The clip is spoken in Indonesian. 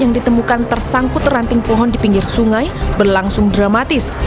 yang ditemukan tersangkut ranting pohon di pinggir sungai berlangsung dramatis